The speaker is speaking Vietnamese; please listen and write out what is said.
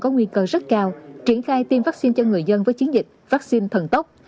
có nguy cơ rất cao triển khai tiêm vaccine cho người dân với chiến dịch vaccine thần tốc